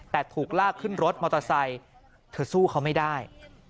แต่ถูกลากขึ้นรถมอเตอร์ไซค์เธอสู้เขาไม่ได้